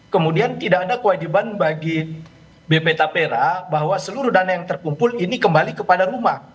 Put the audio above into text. kemudian tidak ada kewajiban bagi bp tapera bahwa seluruh dana yang terkumpul ini kembali kepada rumah